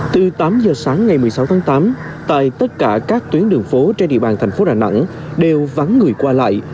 từ tám giờ sáng ngày một mươi sáu tháng tám tại tất cả các tuyến đường phố trên địa bàn thành phố đà nẵng đều vắng người qua lại